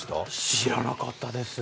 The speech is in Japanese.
知らなかったです。